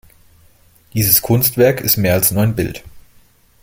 Dieses Kunstwerk ist mehr als nur ein Bild.